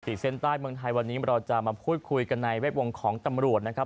เส้นใต้เมืองไทยวันนี้เราจะมาพูดคุยกันในเว็บวงของตำรวจนะครับ